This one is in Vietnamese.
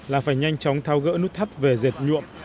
là phải nhanh chóng thao gỡ nút thấp về diệt nhuộm